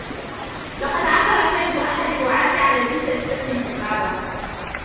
لقد عثر كلب أحد الرعاة على جثة طفل في الغابة.